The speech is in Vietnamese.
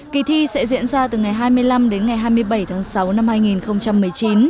kỳ thi sẽ diễn ra từ ngày hai mươi năm đến ngày hai mươi bảy tháng sáu năm hai nghìn một mươi chín